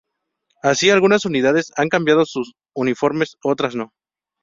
Así, algunas unidades han cambiado sus uniformes, otras no.